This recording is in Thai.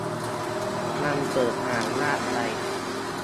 มันเปิดอ่านยากไป